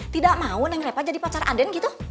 tidak mau neng repat jadi pacar aden gitu